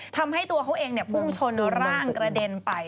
ทำให้ตัวเขาเองพุ่งชนร่างกระเด็นไป